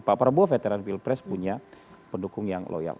pak prabowo veteran pilpres punya pendukung yang loyal